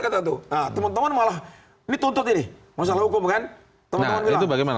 kata tuh teman teman malah dituntut ini masalah hukum kan teman teman bilang bagaimana